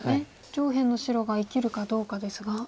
上辺の白が生きるかどうかですが。